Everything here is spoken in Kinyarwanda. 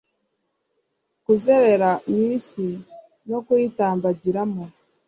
kuzerera mu isi no kuyitambagiramo